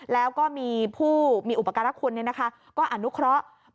แล้วก็มีผู้มีอุปกรณ์รักคุณนะคะก็อนุเคราะห์